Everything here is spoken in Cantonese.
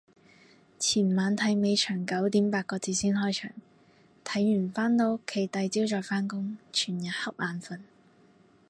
前晚睇尾場九點八個字先開場，睇完返到屋企第朝再返工，全日恰眼瞓